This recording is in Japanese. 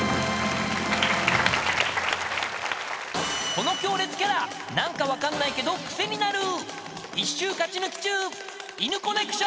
［この強烈キャラ何か分かんないけどクセになる］